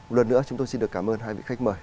một lần nữa chúng tôi xin được cảm ơn hai vị khách mời